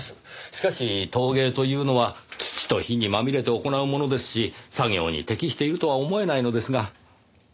しかし陶芸というのは土と火にまみれて行うものですし作業に適しているとは思えないのですが。